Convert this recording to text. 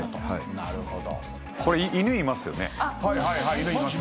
なるほど。